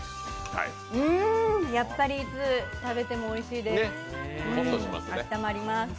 やっぱりいつ食べてもおいしいです、あったまります。